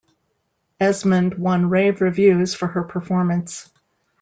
Esmond won rave reviews for her performance.